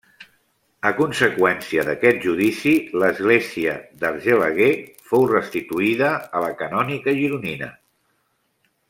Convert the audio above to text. A conseqüència d'aquest judici, l'església d'Argelaguer fou restituïda a la canònica gironina.